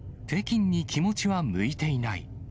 北京に気持ちは向いていない。